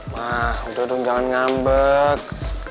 ma udah dong jangan ngambek